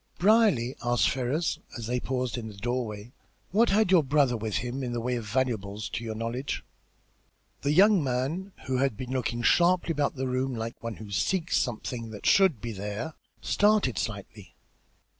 "Brierly," asked Ferrars, as they paused in the doorway, "what had your brother with him in the way of valuables, to your knowledge?" The young man, who had been looking sharply about the room like one who seeks something which should be there, started slightly.